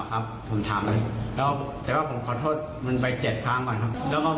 ครับผมเรียกมูกแล้วมันว่ามันจะเอาปืนมายิงผม